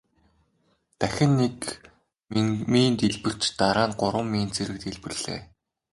Дахин нэг мин дэлбэрч дараа нь гурван мин зэрэг дэлбэрлээ.